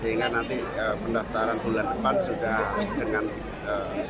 sehingga nanti pendaftaran bulan depan sudah dengan tim pemenangan